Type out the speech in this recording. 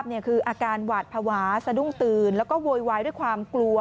คืออาการหวาดภาวะสะดุ้งตื่นแล้วก็โวยวายด้วยความกลัว